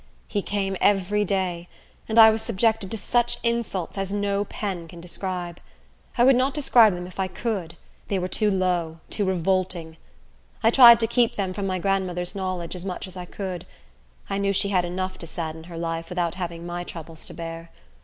He came every day; and I was subjected to such insults as no pen can describe. I would not describe them if I could; they were too low, too revolting. I tried to keep them from my grandmother's knowledge as much as I could. I knew she had enough to sadden her life, without having my troubles to bear.